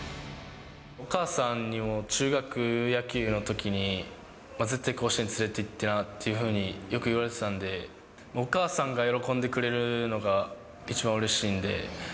お母さんにも中学野球のときに、絶対甲子園に連れていってなってよく言われてたんで、お母さんが喜んでくれるのが一番うれしいんで。